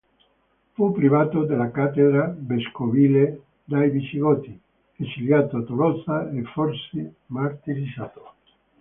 Fu privato della cattedra vescovile dai visigoti, esiliato a Tolosa e forse martirizzato.